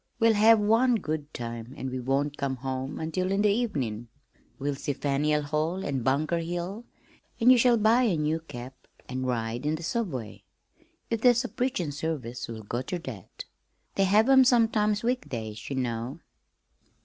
We'll have one good time, an' we won't come home until in the evenin'. We'll see Faneuil Hall an' Bunker Hill, an' you shall buy a new cap, an' ride in the subway. If there's a preachin' service we'll go ter that. They have 'em sometimes weekdays, ye know."